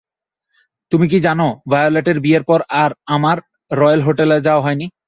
তুমি কি জানো, ভায়োলেটের বিয়ের পর আর আমার রয়েল হোটেলে যাওয়া হয়নি।